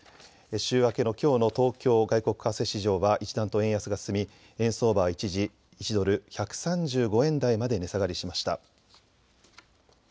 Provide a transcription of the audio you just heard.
週明けのきょうの東京外国為替市場は一段と円安が進み円相場は一時１ドル１３５円台まで値下がりしました。